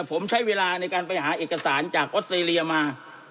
ผมใช้เวลาในการไปหาเอกสารจากออสเตรเลียมา